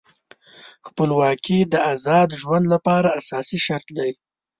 خپلواکي د آزاد ژوند لپاره اساسي شرط دی.